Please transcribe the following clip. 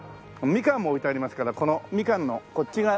みかんも置いてありますからこのみかんのこっち側